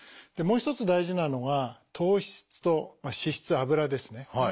もう一つ大事なのが糖質と脂質油ですね。